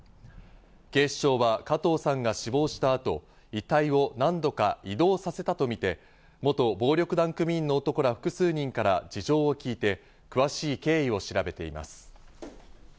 警視庁は加藤さんが死亡した後、遺体を何度か移動させたとみて、元暴力団組員の男ら複数人から事情を聞いて、詳しい経緯を調べています。